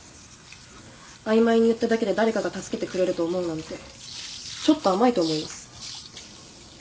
曖昧に言っただけで誰かが助けてくれると思うなんてちょっと甘いと思います。